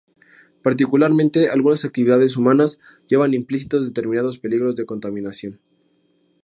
Particularmente algunas actividades humanas llevan implícitos determinados peligros de contaminación.